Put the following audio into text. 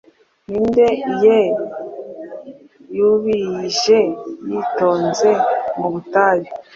Ninde Yeu yaubije yitonzemubutayu